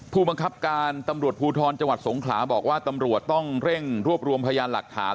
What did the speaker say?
ผู้บังคับการตำรวจภูทรจังหวัดสงขลาบอกว่าตำรวจต้องเร่งรวบรวมพยานหลักฐาน